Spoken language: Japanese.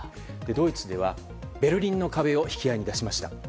ドイツではベルリンの壁を引き合いに出しました。